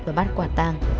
và bắt quả tàng